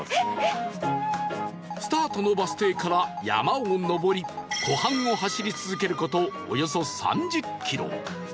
スタートのバス停から山を上り湖畔を走り続ける事およそ３０キロ